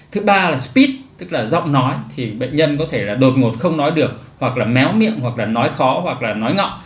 thứ ba là spid tức là giọng nói thì bệnh nhân có thể là đột ngột không nói được hoặc là méo miệng hoặc là nói khó hoặc là nói ngọ